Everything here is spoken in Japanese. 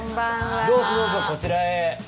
どうぞどうぞこちらへ。